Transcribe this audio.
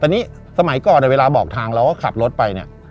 แต่นี่สมัยก่อนเวลาบอกทางเราก็ขับรถไปเนี่ย